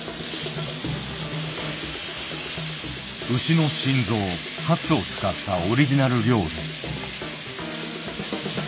牛の心臓ハツを使ったオリジナル料理。